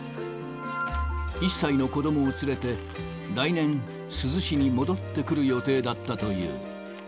１歳の子どもを連れて、来年、珠洲市に戻ってくる予定だったという。